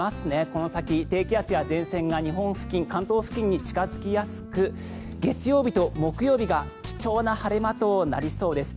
この先、低気圧や前線が日本付近、関東付近に近付きやすく月曜日と木曜日が貴重な晴れ間となりそうです。